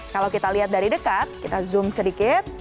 kalau kita lihat dari dekat kita zoom sedikit